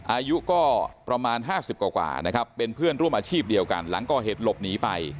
อายุก็ประมาณ๕๐กว่านะครับเป็นเพื่อนร่วมอาชีพเดียวกันหลังก่อเหตุหลบหนีไป